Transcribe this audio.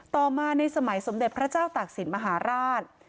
ต่อมาในสมัยสมเด็จพระเจ้าตากศิลปมหาราช